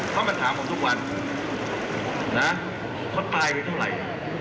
เขามาถามผมทุกวันนะเขาตายไปเท่าไหร่